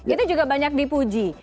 itu juga banyak dipuji